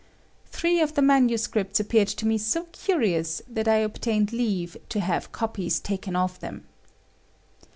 Three of the manuscripts appeared to me so curious that I obtained leave to have copies taken of them.